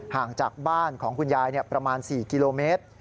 ห่างจากบ้านของคุณยายประมาณ๔กิโลเมตร